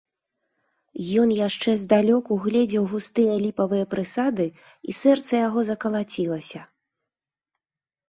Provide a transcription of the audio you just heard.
Ён яшчэ здалёк угледзеў густыя ліпавыя прысады, і сэрца яго закалацілася.